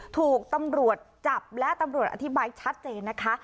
ถูกตำรวจจับและตำรวจอธิบายชัดเจนนะคะ